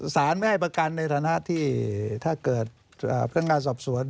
สารไม่ให้ประกันในฐานะที่ถ้าเกิดพนักงานสอบสวน